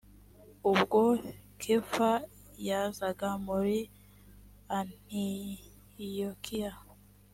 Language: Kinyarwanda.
ubwo kefa yazaga muri antiyokiya